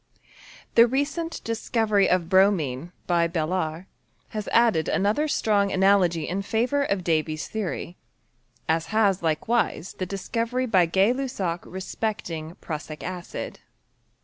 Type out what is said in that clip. The recent discovery of bromine, by Balard, has added another strong analt^ in favour of Davy's theory ; aa has likewise the discovery by Gay LuBsac respecting prussic acid.